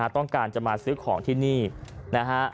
ต้องการจะมาซื้อของที่นี่นะฮะ